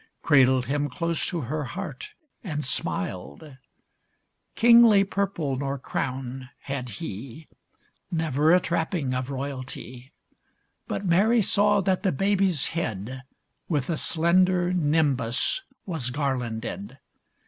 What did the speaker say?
Cradled him close to her heart and smiled ; Kingly purple nor crown had he. Never a trapping of royalty ; But Mary saw that the baby's head With a slender nimbus was garlanded.